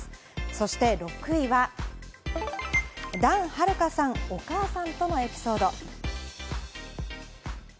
そして６位は團遥香さん、お母さんとのエピソード。